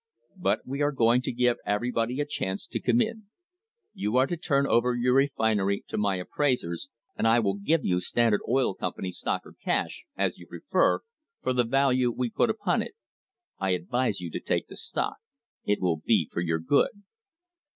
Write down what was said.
But we are going to give every body a chance to come in. You are to turn over your refinery to my appraisers, and I will give you Standard Oil Company stock or cash, as you prefer, for the value we put upon it. I advise you to take the stock. It will be for your good."